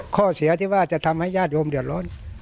ข้อเสียที่ว่าจะทำให้ญาติโยมเดือดร้อน